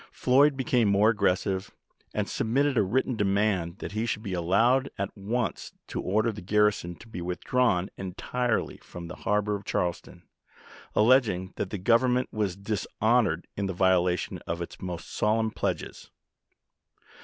Floyd became more aggressive, and submitted a written demand that he should be allowed at once to order the garrison to be withdrawn entirely from the harbor of Charleston, alleging that the Govern ment was dishonored in the violation of its most solemn pledges.